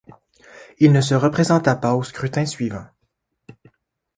Il ne se représenta pas au scrutin suivant.